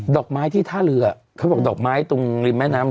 อกไม้ที่ท่าเรือเขาบอกดอกไม้ตรงริมแม่น้ำ